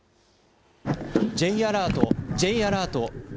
Ｊアラート、Ｊアラート。